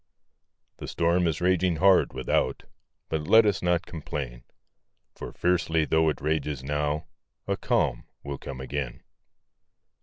The storm is raging hard, without; But let us not complain, For fiercely tho' it rages now, A calm will come again.